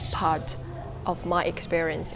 dari pengalaman saya